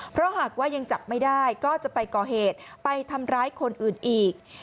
เพราะหากว่ายังจับไม่ได้ก็จะไปก่อเหตุไปทำร้ายคนอื่นอีก